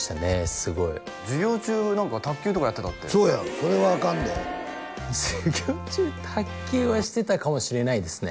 すごい授業中何か卓球とかやってたってそうやそれはあかんで授業中卓球はしてたかもしれないですね